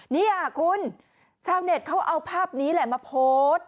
นี่คุณชาวเน็ตเขาเอาภาพนี้แหละมาโพสต์